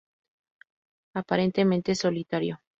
Aparentemente solitario.